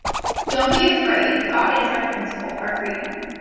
Don’t be afraid. God is our principle, our freedom.